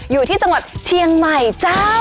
อยู่ที่จังหวัดเชียงใหม่เจ้า